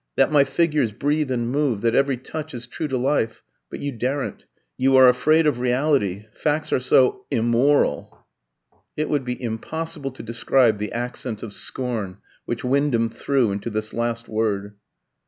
that my figures breathe and move, that every touch is true to life. But you daren't. You are afraid of reality; facts are so immoral." It would be impossible to describe the accent of scorn which Wyndham threw into this last word.